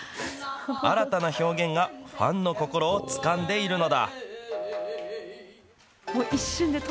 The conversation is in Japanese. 新たな表現がファンの心をつかんでいるのだ。